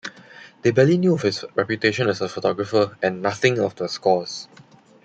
They barely knew of his reputation as a photographer, and nothing of the scores.